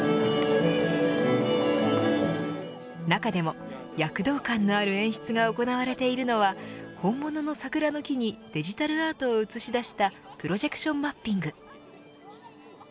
中でも躍動感のある演出が行われているのは本物の桜の木にデジタルアートを映し出したプロジェクションマッピング。